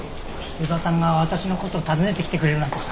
依田さんが私のこと訪ねてきてくれるなんてさ。